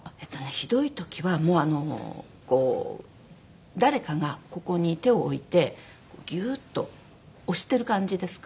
ひどい時はもうあのこう誰かがここに手を置いてギューッと押してる感じですか。